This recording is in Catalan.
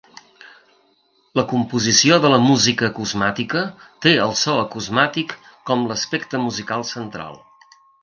La composició de la música acusmàtica té al so acusmàtic com l'aspecte musical central.